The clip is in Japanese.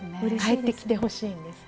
帰ってきてほしいんです。